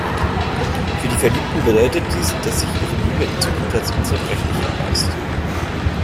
Für die Verliebten bedeutet dies, dass sich ihre Liebe in Zukunft als unzerbrechlich erweist.